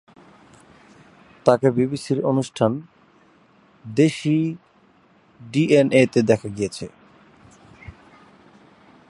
তাকে বিবিসির অনুষ্ঠান "দেশি ডিএনএ" তে দেখা গিয়েছে।